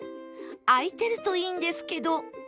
開いてるといいんですけど